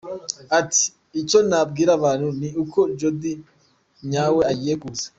Ati “ Icyo nabwira abantu ni uko Jody nyawe agiye kuza.